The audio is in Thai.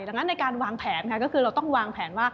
ดังนั้นในการวางแผนก็คือ